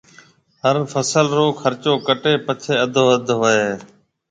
هر فصل رو خرچو ڪٽيَ پڇيَ اڌواڌ هوئي هيَ۔